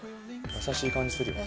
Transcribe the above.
優しい感じするよ。